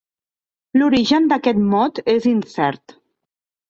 L'origen d'aquest mot és incert.